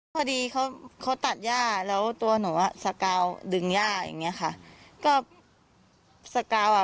พอดีเขาตัดย่าแล้วตัวหนูสกาวดึงย่าอย่างนี้ค่ะก็สกาว